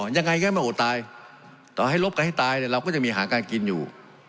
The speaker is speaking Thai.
ยังไงก็ไม่อดตายต่อให้รบกันให้ตายเราก็จะมีหาการกินอยู่